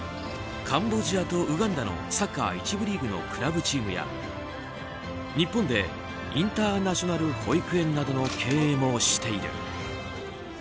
カンボジアとウガンダのサッカー１部リーグのクラブチームや日本でインターナショナル保育園などの経営もしている。